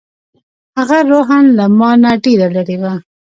هغه روحاً له ما نه ډېره لرې وه.